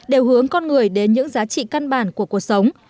đều hướng con người đến những giá trị căn bản của cuộc sống